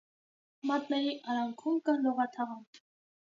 Մատների արանքում կա լողաթաղանթ։